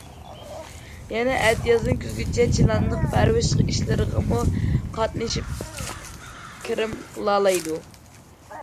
يەنە ئەتىيازدىن كۈزگىچە چىلاننىڭ پەرۋىش ئىشلىرىغىمۇ قاتنىشىپ كىرىم قىلالايدۇ.